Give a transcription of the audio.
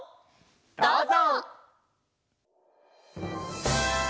どうぞ！